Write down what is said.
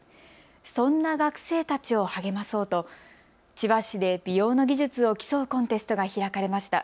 そんな学生たちを励まそうと千葉市で美容の技術を競うコンテストが開かれました。